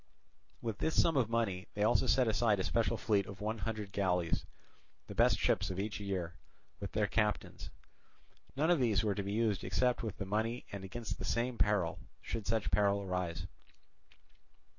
With this sum of money they also set aside a special fleet of one hundred galleys, the best ships of each year, with their captains. None of these were to be used except with the money and against the same peril, should such peril arise.